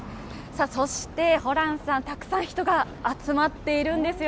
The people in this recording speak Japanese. そして、ホランさん、たくさん人が集まっているんですよ。